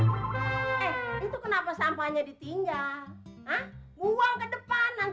eh itu kenapa sampahnya ditinggal